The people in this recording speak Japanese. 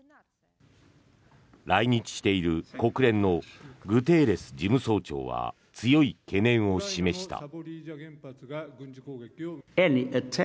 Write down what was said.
来日している国連のグテーレス事務総長は強い懸念を示した。